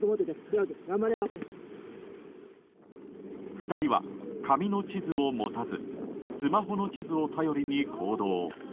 ２人は紙の地図を持たずスマホの地図を頼りに行動。